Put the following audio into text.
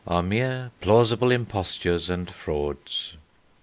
are mere plausible impostures and frauds."